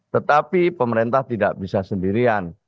tetapi pemerintah tidak bisa sendirian